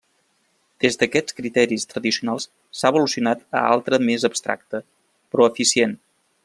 Des d'aquests criteris tradicionals s'ha evolucionat a altre més abstracte, però eficient.